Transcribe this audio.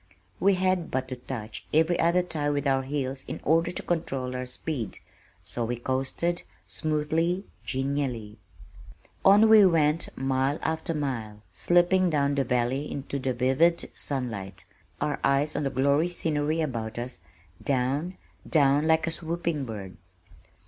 We had but to touch every other tie with our heels in order to control our speed, so we coasted, smoothly, genially. On we went, mile after mile, slipping down the valley into the vivid sunlight, our eyes on the glorious scenery about us, down, down like a swooping bird.